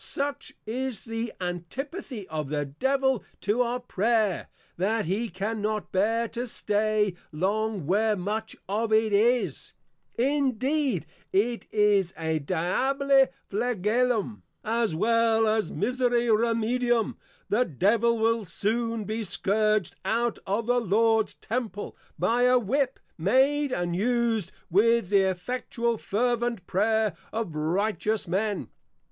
Such is the Antipathy of the Devil to our Prayer, that he cannot bear to stay long where much of it is: Indeed it is Diaboli Flagellum, as well as, Miseriæ Remedium; the Devil will soon be Scourg'd out of the Lord's Temple, by a Whip, made and used, with the effectual fervent Prayer of Righteous Men.